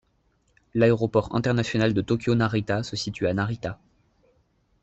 L'aéroport international de Tokyo Narita se situe à Narita.